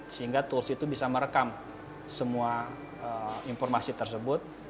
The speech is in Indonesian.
sehingga tools itu bisa merekam semua informasi tersebut